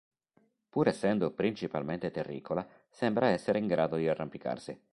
Pur essendo principalmente terricola, sembra essere in grado di arrampicarsi.